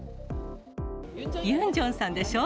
ユンジョンさんでしょう。